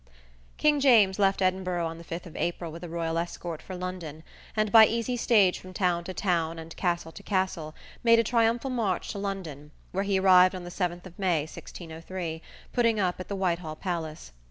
_ King James left Edinburgh on the 5th of April with a royal escort for London, and by easy stage from town to town and castle to castle, made a triumphal march to London, where he arrived on the 7th of May, 1603, putting up at the Whitehall Palace.